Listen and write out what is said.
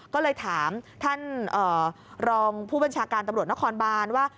ก็เลยถามท่านรองผู้บัญชาการตำรวจนครบานว่า